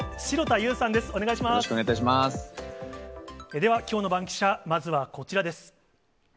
ではきょうのバンキシャ、まずはこちらです。